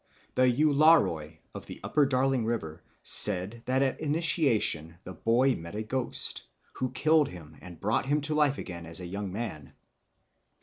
The Ualaroi of the Upper Darling River said that at initiation the boy met a ghost, who killed him and brought him to life again as a young man.